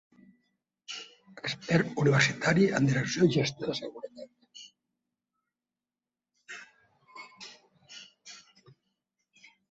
Expert universitari en Direcció i gestió de Seguretat.